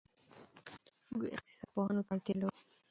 موږ اقتصاد پوهانو ته اړتیا لرو.